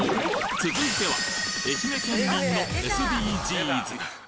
続いては愛媛県民のＳＤＧｓ